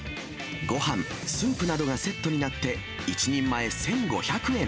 ごはん、スープなどがセットになって、１人前１５００円。